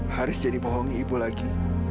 haris jadi bohongi ibu lagi